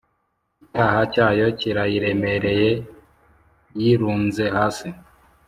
icyaha cyayo kirayiremereye, yirunze hasi,